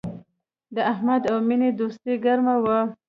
د احمد او مینې دوستي گرمه وه